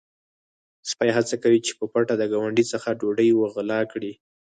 سپی هڅه کوي چې په پټه د ګاونډي څخه ډوډۍ وغلا کړي.